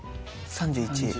３１。